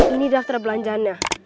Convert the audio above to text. ini daftar belanjaannya